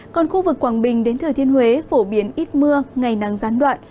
còn khu vực quảng bình đến thừa thiên huế phổ biến ít mưa ngày nắng gián đoạn